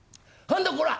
何だこら！？」。